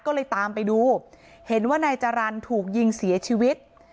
ก็เลยตามไปดูเห็นว่านายจรรย์ถูกยิงเสียชีวิต